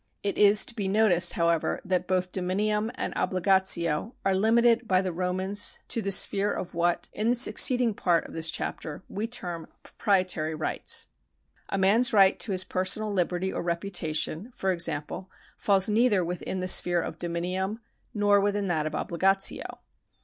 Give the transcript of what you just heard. It is to be noticed, however, that both dominium and ohligatio are limited by the Romans' to the sphere of what, in the succeeding part of this chapter, we term proprietary rights. A man's right to his personal liberty or reputation, for example, falls neither within the sphere of dominium nor within that of ohligatio.